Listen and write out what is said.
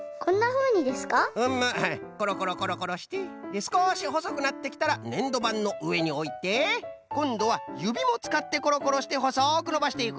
うむコロコロコロコロしてすこしほそくなってきたらねんどばんのうえにおいてこんどはゆびもつかってコロコロしてほそくのばしてゆく！